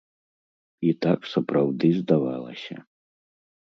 І так сапраўды здавалася.